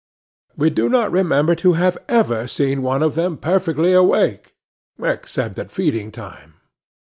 We do not remember to have ever seen one of them perfectly awake, except at feeding time.